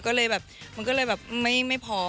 ก็เลยแบบมันก็เลยแบบไม่พร้อม